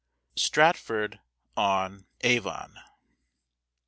STRATFORD ON AVON.